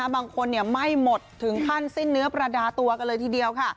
บางคนไม่หมดถึงขั้นสิ้นเนื้อประดาตัวกันเลยทีเดียวค่ะ